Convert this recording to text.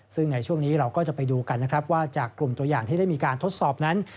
ซึ่งในช่วงนี้เราก็จะไปดูกันนะครับว่าจากกลุ่มตัวอย่างที่ได้มีการทดสอบนั้น